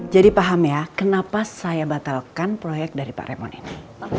jadi paham ya kenapa saya batalkan proyek dari pak raymond ini